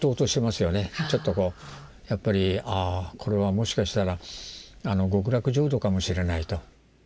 やっぱりああこれはもしかしたら極楽浄土かもしれないと。